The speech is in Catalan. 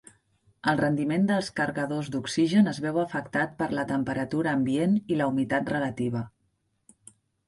El rendiment dels cargadors d'oxigen es veu afectat per la temperatura ambient i la humitat relativa.